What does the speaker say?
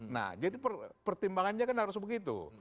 nah jadi pertimbangannya kan harus begitu